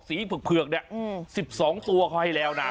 สีเผือก๑๒ตัวเขาให้แล้วนะ